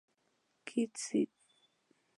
Kitts, St.